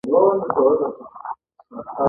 د واسکټ اغوستل د کالیو ښکلا ده.